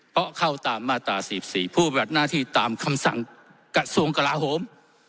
เพราะเข้าตามมาตรา๔๔ผู้บัติหน้าที่ตามคำสั่งกระทรวงกลาโหม